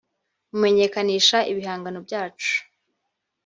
mumenyekanisha ibihangano byacu